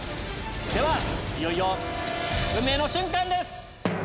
ではいよいよ運命の瞬間です。